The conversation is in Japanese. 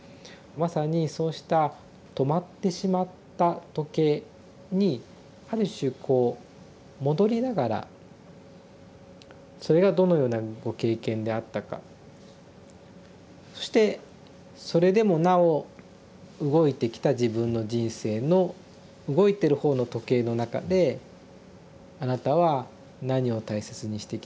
まさにそうした止まってしまった時計にある種こう戻りながらそれがどのようなご経験であったかそしてそれでもなお動いてきた自分の人生の動いてる方の時計の中であなたは何を大切にしてきたか。